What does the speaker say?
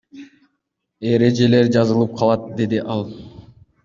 Эрежелер жазылып калат, — деди ал.